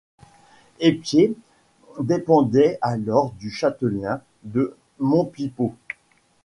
Épieds dépendait alors du châtelain de Montpipeau.